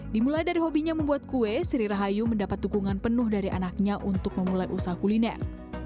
dimulai dari hobinya membuat kue sri rahayu mendapat dukungan penuh dari anaknya untuk memulai usaha kuliner